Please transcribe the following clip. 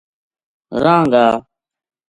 رہاں گا